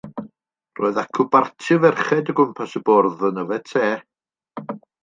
Roedd acw barti o ferched o gwmpas y bwrdd yn yfed te.